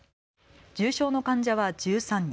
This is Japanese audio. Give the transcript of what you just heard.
重症の患者は１３人。